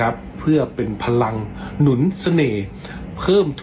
ไม่เหมือนคนอื่นครับ